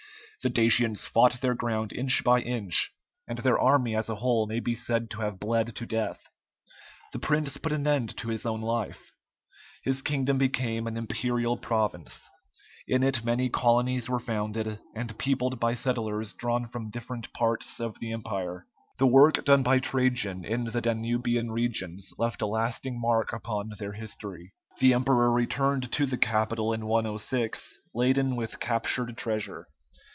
The Dacians fought their ground inch by inch, and their army as a whole may be said to have bled to death. The prince put an end to his own life. His kingdom became an imperial province; in it many colonies were founded, and peopled by settlers drawn from different parts of the empire. The work done by Trajan in the Danubian regions left a lasting mark upon their history. The emperor returned to the capital in 106, laden with captured treasure.